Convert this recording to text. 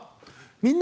「みんな！